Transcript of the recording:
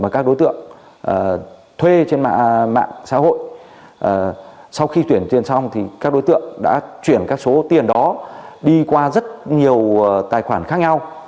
các đối tượng đã chuyển các số tiền đó đi qua rất nhiều tài khoản khác nhau